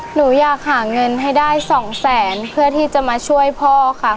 หนูอยากหาเงินให้ได้สองแสนเพื่อที่จะมาช่วยพ่อค่ะ